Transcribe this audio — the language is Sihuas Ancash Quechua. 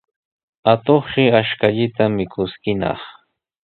Atuqshi ashkallanta mikuskinaq.